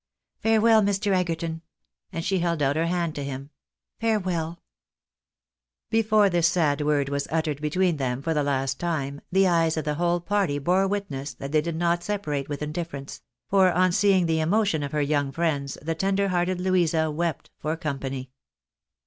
Farewell, Mr. Egerton !" and she held out her hand to him, " Farewell !" Before this sad word was uttered between them for the last time, the eyes of the whole party bore witness that they did not separate with indifference ; for on seeing the emotion of ber young friends, the tender hearted Louisa wept for company.